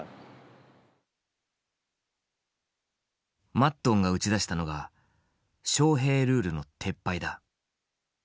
マッドンが打ち出したのがショウヘイルールの撤廃だ。